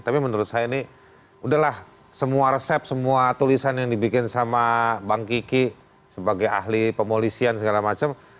tapi menurut saya ini udahlah semua resep semua tulisan yang dibikin sama bang kiki sebagai ahli pemolisian segala macam